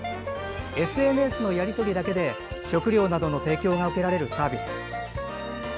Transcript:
ＳＮＳのやり取りだけで食料などの提供が受けられるサービス。